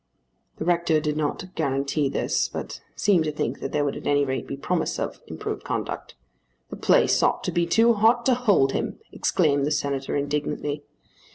The rector did not guarantee this but seemed to think that there would at any rate be promise of improved conduct. "The place ought to be too hot to hold him!" exclaimed the Senator indignantly.